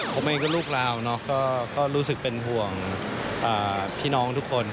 ผมเองก็ลูกลาวเนอะก็รู้สึกเป็นห่วงพี่น้องทุกคน